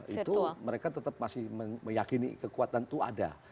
itu mereka tetap masih meyakini kekuatan itu ada